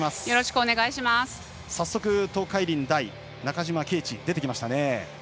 さっそく東海林大、中島啓智出てきましたね。